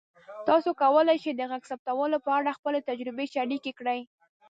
تاسو کولی شئ د غږ ثبتولو په اړه خپلې تجربې شریکې کړئ.